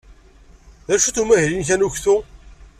D acu-t umahil-nnek anuktu?